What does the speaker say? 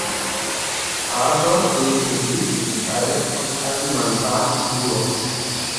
Paser bildet den südlichen Teil von Kalimantan Timur.